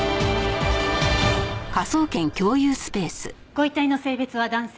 ご遺体の性別は男性。